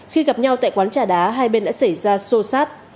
khi gặp nhau tại quán trà đá hai bên đã xảy ra sô sát